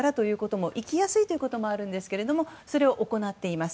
行きやすいからということもあると思いますがそれを行っています。